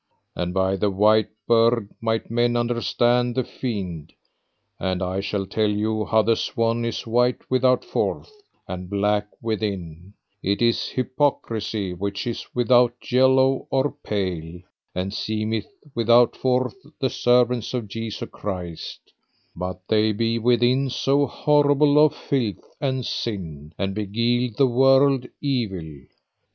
And by the white bird might men understand the fiend, and I shall tell you how the swan is white without forth, and black within: it is hypocrisy which is without yellow or pale, and seemeth without forth the servants of Jesu Christ, but they be within so horrible of filth and sin, and beguile the world evil.